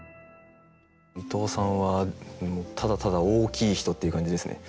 伊藤さんはただただ大きい人っていう感じですね。